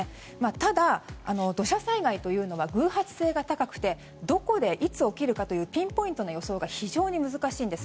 ただ、土砂災害というのは偶発性が高くてどこでいつ起きるかというピンポイントの予想が非常に難しいんです。